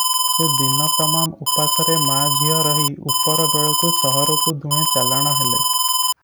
ସେ ଦିନତମାମ ଉପାସରେ ମା'ଝିଅ ରହି ଉପର ବେଳକୁ ସହରକୁ ଦୁହେଁ ଚାଲାଣ ହେଲେ ।